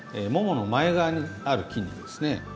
ももの前側にある筋肉ですね。